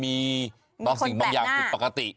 มีคนแปลกหน้ามีบางสิ่งบางอย่างเป็นปกติ